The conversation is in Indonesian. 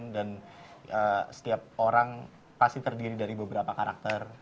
dan setiap orang pasti terdiri dari beberapa karakter